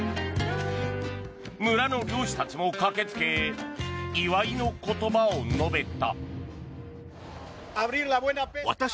村の漁師たちも駆けつけ祝いの言葉を述べた。